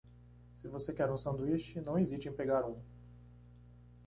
Se você quer um sanduíche, não hesite em pegar um.